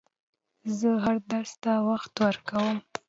زه هر درس ته وخت ورکووم.